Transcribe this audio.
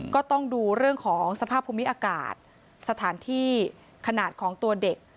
ก็ต้องดูเรื่องของสภาพภูมิอากาศสถานที่ขนาดของตัวเด็ก